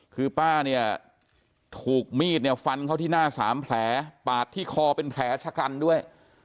คือป้าเนี่ยถูกมีดเนี่ยฟันเข้าที่หน้า๓แผลปาดที่คอเป็นแผลชะกันด้วย